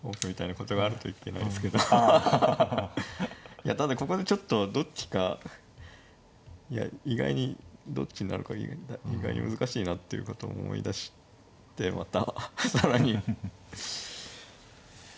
いやただここでちょっとどっちか意外にどっちになるか意外に難しいなということを思い出してまた。